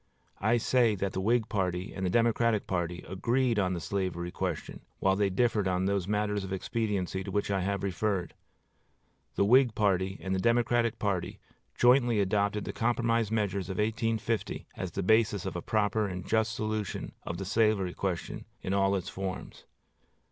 I say that the Whig party and the Democratic party agreed on the slavery question, while they differed on those matters of expediency to which I have referred. The Whig party and the Democratic party jointly adopted the compromise measures of 1850 as the basis of a proper and just solution of the slavery question in all its forms.